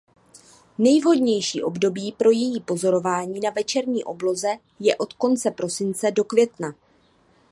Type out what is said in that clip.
Nejvhodnější období pro její pozorování na večerní obloze je od konce prosince do května.